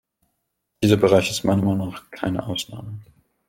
Dieser Bereich ist meiner Meinung nach keine Ausnahme.